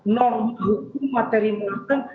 norma hukum materi melakukan